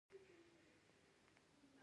دوی مې خپل کار ته پرېښوول.